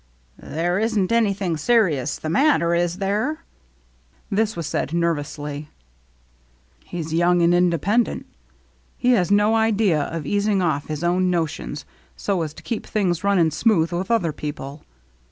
" There isn't anything serious the matter, is there?" This was said nervously. " He's young, and independent. He has no idea of easing off his own notions so as to keep things running smooth with other peo ple.